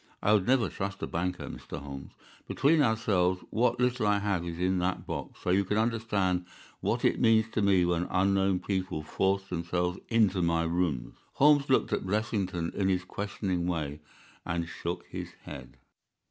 I would never trust a banker, Mr. Holmes. Between ourselves, what little I have is in that box, so you can understand what it means to me when unknown people force themselves into my rooms." Holmes looked at Blessington in his questioning way and shook his head.